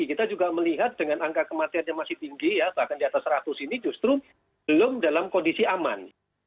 kita juga melihat dengan angka kematian yang masih tinggi ya bahkan di atas seratus ini justru belum dalam kondisi aman